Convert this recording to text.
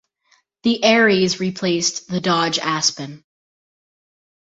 The Aries replaced the Dodge Aspen.